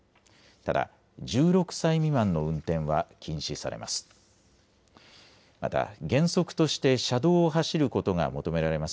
ただ１６歳未満の運転は禁止されます。